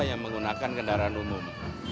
yang menggunakan kendaraan umum